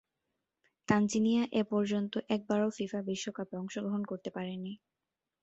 Tanzania এপর্যন্ত একবারও FIFA বিশ্বকাপে অংশগ্রহণ করতে পারেনি।